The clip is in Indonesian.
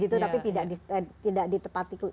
tapi tidak ditepati